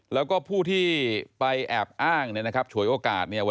แล้วก็ผู้ที่ไปแอบอ้างฉวยโอกาส